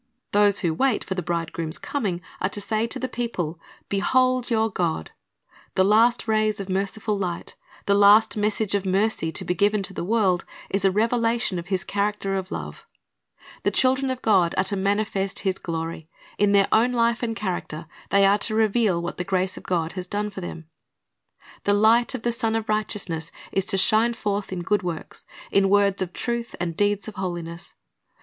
"^ Those who wait for the Bridegroom's coming are to say to the people, "Behold your God." The last rays of merciful light, the last message of mercy to be given to the world, is a revelation of His character of love. The children 12 Cor. 4:6 2Gen. 1:2, 3 ^isa. 6o:i «Isa. 60:2 ojsa. 40:9, 10 4i6 Christ's Object Lessons of God are to manifest His glory. In their own life and character they are to reveal what the grace of God has done for them. The light of the Sun of Righteousness is to shine forth in good works, — in words of truth and deeds of holiness.